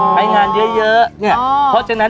ให้งานเยอะเพราะฉะนั้น